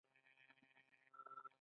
وژنه د ملګرو ژړا راولي